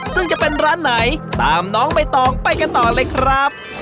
ซึ่งจะเป็นร้านไหนตามน้องใบตองไปกันต่อเลยครับ